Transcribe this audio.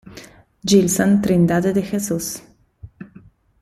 Gilson Trindade de Jesus